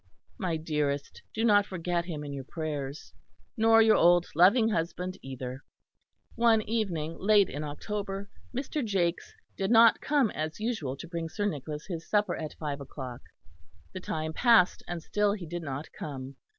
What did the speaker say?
My dearest, do not forget him in your prayers nor your old loving husband either." One evening late in October Mr. Jakes did not come as usual to bring Sir Nicholas his supper at five o'clock; the time passed and still he did not come.